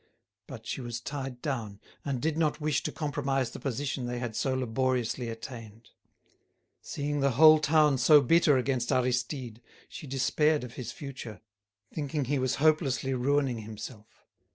But she was tied down, and did not wish to compromise the position they had so laboriously attained. Seeing the whole town so bitter against Aristide, she despaired of his future, thinking he was hopelessly ruining himself.